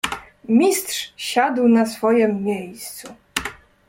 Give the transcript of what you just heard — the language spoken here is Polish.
"Mistrz siadł na swojem miejscu."